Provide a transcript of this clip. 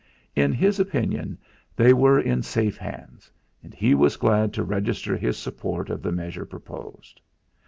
In his opinion they were in safe hands, and he was glad to register his support of the measure proposed.